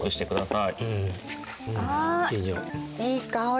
あいい香り。